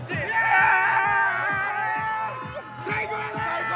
最高！